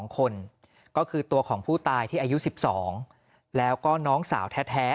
๒คนก็คือตัวของผู้ตายที่อายุ๑๒แล้วก็น้องสาวแท้